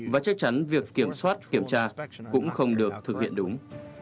và chắc chắn việc kiểm soát kiểm tra cũng không được thực hiện đúng